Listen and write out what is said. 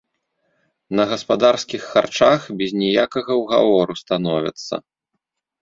На гаспадарскіх харчах без ніякага ўгавору становяцца.